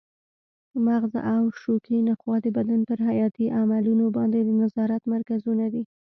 مغز او شوکي نخاع د بدن پر حیاتي عملونو باندې د نظارت مرکزونه دي.